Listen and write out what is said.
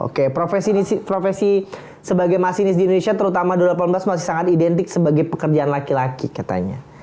oke profesi sebagai masinis di indonesia terutama dua ribu delapan belas masih sangat identik sebagai pekerjaan laki laki katanya